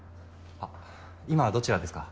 あっ今どちらですか？